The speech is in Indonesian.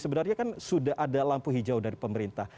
sebenarnya kan sudah ada lampu hijau dari pemerintah